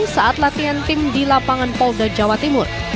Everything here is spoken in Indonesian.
saat latihan tim di lapangan polda jawa timur